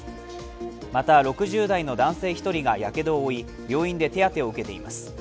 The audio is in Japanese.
また、６０代の男性１人がやけどを負い病院で手当てを受けています。